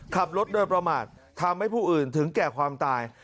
ขับรถโดยประมาททำให้ผู้อื่นถึงแก่ความตาย